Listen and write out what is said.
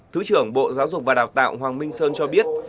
thứ trưởng bộ giáo dục và đào tạo hoàng minh sơn cho biết